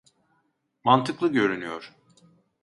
Mantıklı görünüyor.